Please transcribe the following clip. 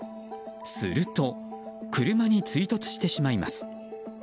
すると車に追突してしまいます。